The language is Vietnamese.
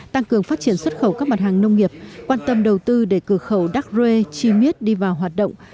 tăng cường phát triển xuất khẩu các mặt hàng nông nghiệp quan tâm đầu tư để cửa khẩu đắk rê chi miết đi vào hoạt động